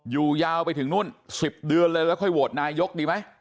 ยาวไปถึงนู่น๑๐เดือนเลยแล้วค่อยโหวตนายกดีไหม